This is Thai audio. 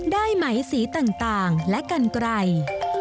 ได้ไหมสีต่างและกันไกล